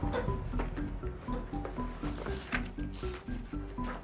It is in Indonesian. hah kapan dia keluar negeri